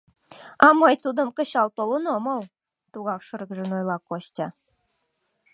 — А мый тудым кычал толын омыл, — тугак шыргыжын, ойла Костя.